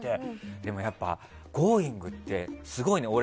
でも、やっぱり「Ｇｏｉｎｇ！」ってすごいね。